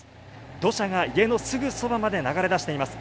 土砂が家のすぐそばまで流れ出しています。